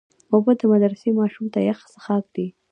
اوبه د مدرسې ماشوم ته یخ څښاک دی.